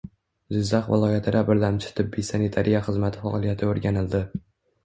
Jizzax viloyatida birlamchi tibbiy sanitariya xizmati faoliyati o‘rganildi